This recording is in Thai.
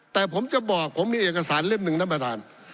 แต่ผมจะบอกผมมีเอกสารเล่ม๑นะประดาน